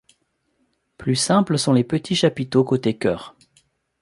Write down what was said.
Plus simples sont les petits chapiteaux côté chœur.